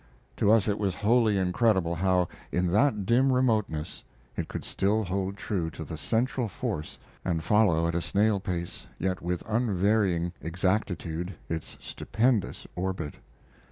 To us it was wholly incredible how, in that dim remoteness, it could still hold true to the central force and follow at a snail pace, yet with unvarying exactitude, its stupendous orbit.